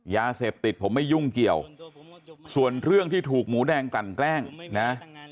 ยาเสพติดผมไม่ยุ่งเกี่ยวส่วนเรื่องที่ถูกหมูแดงกลั่นแกล้งนะ